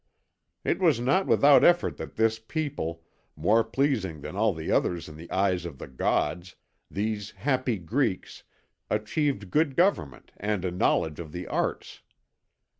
"It was not without effort that this people, more pleasing than all the others in the eyes of the gods, these happy Greeks, achieved good government and a knowledge of the arts.